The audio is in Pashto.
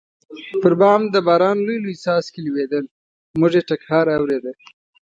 پر بام د باران لوی لوی څاڅکي لوېدل، موږ یې ټکهار اورېده.